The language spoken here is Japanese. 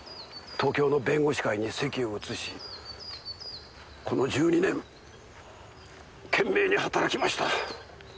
東京の弁護士会に籍を移しこの１２年懸命に働きました。